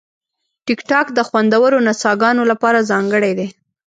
ټیکټاک د خوندورو نڅاګانو لپاره ځانګړی دی.